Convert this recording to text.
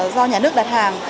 do nhà nước đặt hàng